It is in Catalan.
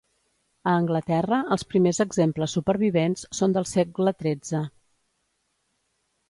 A Anglaterra els primers exemples supervivents són del segle XIII.